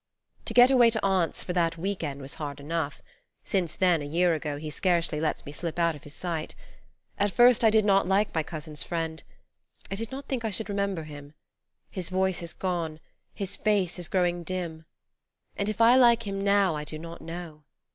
To get away to Aunt's for that week end Was hard enough ; (since then, a year ago, He scarcely lets me slip out of his sight ) At first I did not like my cousin's friend, I did not think I should remember him : His voice has gone, his face is growing dim And if I like him now I do not know.